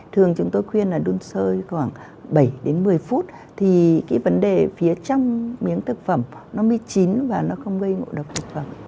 thường chúng tôi khuyên là đun sôi khoảng bảy đến một mươi phút thì cái vấn đề phía trong miếng thực phẩm nó mới chín và nó không gây ngộ độc thực phẩm